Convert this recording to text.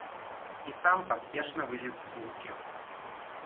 І сам паспешна вылез з будкі.